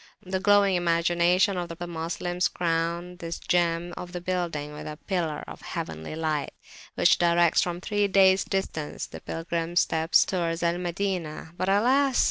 The glowing imaginations of the Moslems crown this gem of the building with a pillar of heavenly light, which directs from three days' distance the pilgrims' steps towards Al Madinah. But alas!